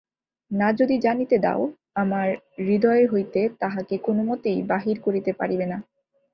না যদি জানিতে দাও, আমার হৃদয় হইতে তাহাকে কোনোমতেই বাহির করিতে পারিবে না।